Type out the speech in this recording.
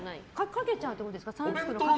かけちゃうってことですか？